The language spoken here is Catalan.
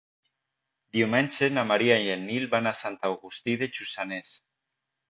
Diumenge na Maria i en Nil van a Sant Agustí de Lluçanès.